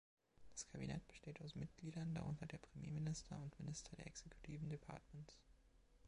Das Kabinett besteht aus Mitgliedern, darunter der Premierminister und Minister der exekutiven Departements.